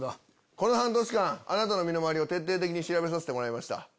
この半年間あなたの身の回りを徹底的に調べさせてもらいました。